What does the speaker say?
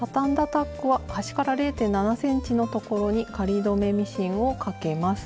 タックは端から０．７ｃｍのところに仮留めミシンをかけます。